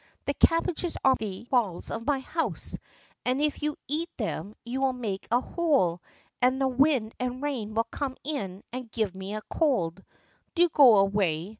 "The cabbages are the walls of my house, and if you eat them you will make a hole, and the wind and rain will come in and give me a cold. Do go away.